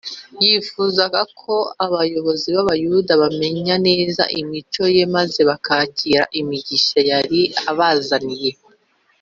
yifuzaga ko abayobozi b’Abayuda bamenya neza imico Ye maze bakakira imigisha yari abazaniye